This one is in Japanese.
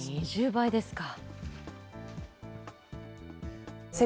２０倍ですか。